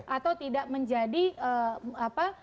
atau tidak menjadi apa